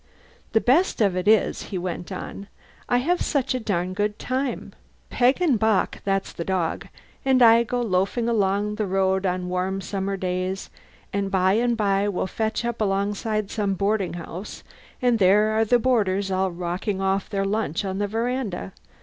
"The best of it is," he went on, "I have such a darn good time. Peg and Bock (that's the dog) and I go loafing along the road on a warm summer day, and by and by we'll fetch up alongside some boarding house and there are the boarders all rocking off their lunch on the veranda.